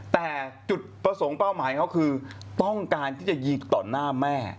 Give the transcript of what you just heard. แต่จุดประสงค์เป้าหมายเขาคือต้องการที่จะยิงต่อหน้าแม่